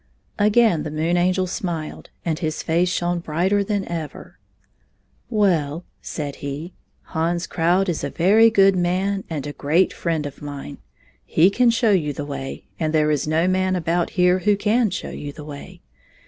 Again the Moon Angel smiled, and his face shone brighter than ever. "Well," said he, "Hans Krout is a very good man and a great friend of mine. He can show you the way, and there is no man about here who can show you the way.